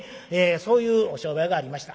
そういうお商売がありました。